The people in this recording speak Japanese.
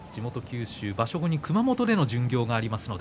場所後に熊本での巡業があります。